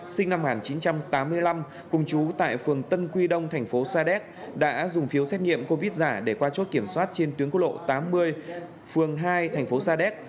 sinh năm một nghìn chín trăm tám mươi năm cùng chú tại phường tân quy đông tp sadec đã dùng phiếu xét nghiệm covid giả để qua chốt kiểm soát trên tuyến cốt lộ tám mươi phường hai tp sadec